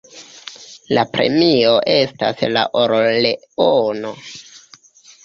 La premio estas la or-leono.